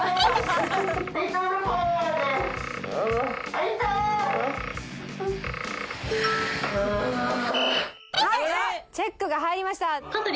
痛い痛いチェックが入りました